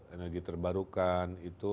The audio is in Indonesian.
energi terbarukan itu